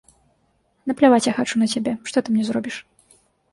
Напляваць я хачу на цябе, што ты мне зробіш?